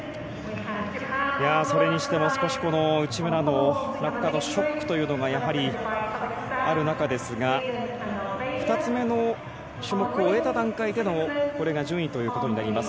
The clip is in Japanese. それにしても、内村の落下のショックというのがやはりある中ですが２つ目の種目を終えた段階での順位ということになります。